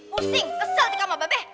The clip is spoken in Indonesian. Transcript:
huuuh pusing kesel tika sama babe